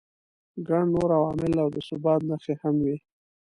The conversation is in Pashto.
ګڼ نور عوامل او د ثبات نښې هم وي.